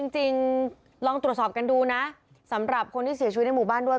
จริงลองตรวจสอบกันดูนะสำหรับคนที่เสียชีวิตในหมู่บ้านด้วย